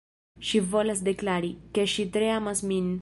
Ŝi volas deklari, ke ŝi tre amas min